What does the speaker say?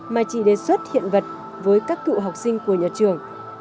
mà chỉ đề xuất hiện vật với các cựu học sinh của nhà trường